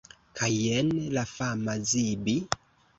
Kaj jen la fama Zibi!